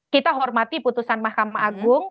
kita hormati putusan mahkamah agung